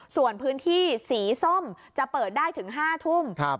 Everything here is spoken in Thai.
ส่วนพื้นที่สีส้มจะเปิดได้ถึง๕ทุ่ม